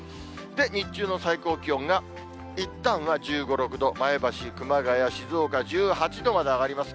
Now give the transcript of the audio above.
日中の最高気温が、いったんは１５、６度、前橋、熊谷、静岡１８度まで上がります。